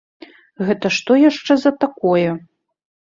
Гэта што яшчэ за такое?